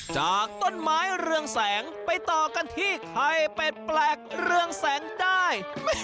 จากต้นไม้เรืองแสงไปต่อกันที่ไข่เป็ดแปลกเรืองแสงได้